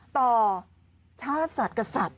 ต่อชาติสัตว์กับสัตว์